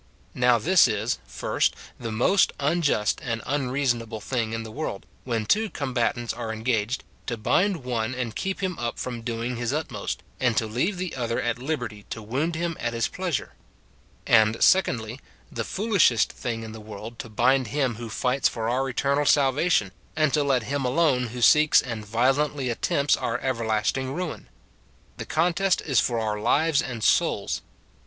Now this is, first, the most unjust and unreasonable thing in the world, when two combatants are engaged, to bind one and keep him up from doing his utmost, and to leave the other at liberty to wound him at his pleasure ; and, secondly, the foolishest thing in the world to bind him who fights for our eternal salvation, and to let him alone who seeks and violently attempts our everlasting ruin. The contest is for our lives and souls.